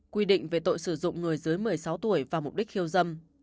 quy định về tội sử dụng người dưới một mươi sáu tuổi vào mục đích khiêu dâm